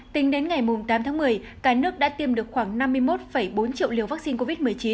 tính đến ngày tám tháng một mươi cả nước đã tiêm được khoảng năm mươi một bốn triệu liều vaccine covid một mươi chín